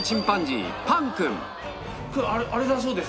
あれだそうです。